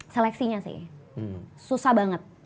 seleksinya sih susah banget